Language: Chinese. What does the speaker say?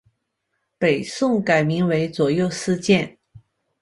北宋改名为左右司谏。